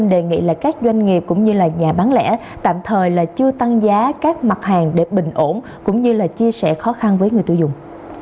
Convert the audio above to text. đề nghị các doanh nghiệp cũng như nhà bán lẻ tạm thời chưa tăng giá các mặt hàng để bình ổn cũng như chia sẻ khó khăn với người tiêu dùng